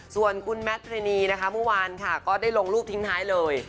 ส่วนคุณแมทพรีนีนะคะเมื่อวานค่ะก็ได้ลงรูปทิ้งท้ายเลย